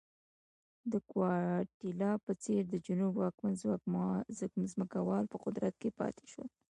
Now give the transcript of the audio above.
د ګواتیلا په څېر د جنوب واکمن ځمکوال په قدرت کې پاتې شول.